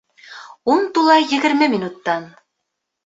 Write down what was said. Ун тула егерме минуттан